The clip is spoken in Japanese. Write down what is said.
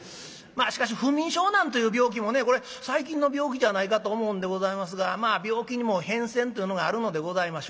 しかし不眠症なんという病気もねこれ最近の病気じゃないかと思うんでございますがまあ病気にも変遷というのがあるのでございましょう。